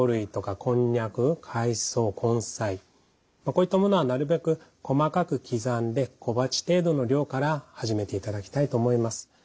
こういったものはなるべく細かく刻んで小鉢程度の量から始めていただきたいと思います。